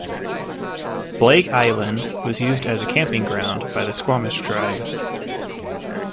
Blake Island was used as a camping ground by the Suquamish tribe.